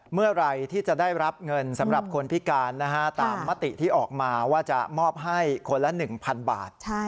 เมื่อไหร่ที่จะได้รับเงินสำหรับคนพิการตามมติที่ออกมาว่าจะมอบให้คนละ๑๐๐๐บาท